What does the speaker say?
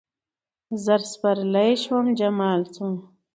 زر سپرلیه شوم، جمال شوم